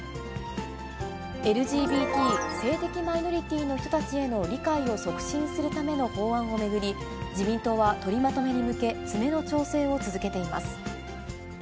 ＬＧＢＴ・性的マイノリティーの人たちへの理解を促進するための法案を巡り、自民党は、取りまとめに向け、詰めの調整を続けています。